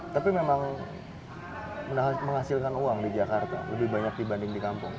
tapi memang menghasilkan uang di jakarta lebih banyak dibanding di kampung